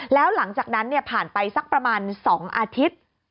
แล้วหลังจากนั้นผ่านไปสักประมาณ๒อาทิตย์